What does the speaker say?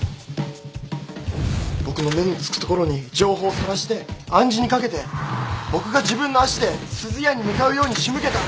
僕の目の付く所に情報をさらして暗示にかけて僕が自分の足ですずやに向かうように仕向けた。